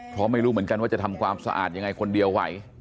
เพราะไม่รู้เหมือนกันว่าจะทำความสะอาดยังไงคนเดียวไหว